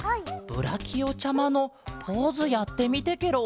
ブラキオちゃまのポーズやってみてケロ！